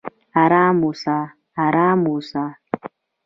"ارام اوسه! ارام اوسه!"